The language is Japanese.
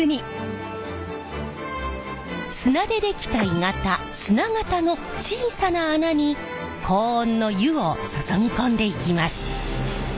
砂でできた鋳型砂型の小さな穴に高温の「湯」を注ぎ込んでいきます。